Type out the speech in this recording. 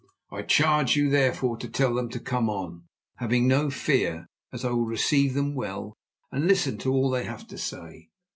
I charge you, therefore, to tell them to come on, having no fear, as I will receive them well and listen to all they have to say."